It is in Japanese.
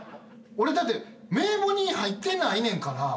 俺だって名簿に入ってないねんから。